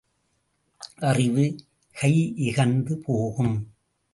அறிவு கையிகந்து போகும்!